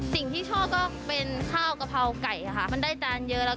สิ่งที่ชอบก็เป็นข้าวกะเพราไก่ค่ะมันได้จานเยอะแล้ว